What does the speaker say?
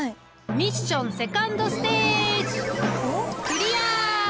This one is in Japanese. ミッションセカンドステージイエイ！